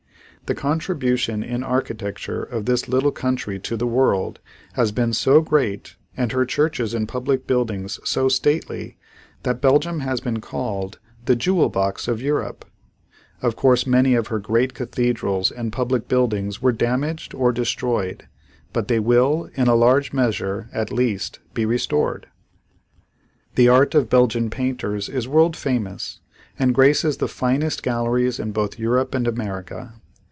The contribution in architecture of this little country to the world has been so great and her churches and public buildings so stately that Belgium has been called, "The Jewel box of Europe." Of course, many of her great cathedrals and public buildings were damaged or destroyed, but they will, in a large measure, at least, be restored. The art of Belgian painters is world famous and graces the finest galleries in both Europe and America.